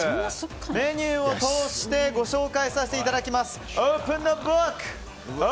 メニューを通してご紹介させていただきます。